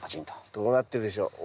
どうなってるでしょう？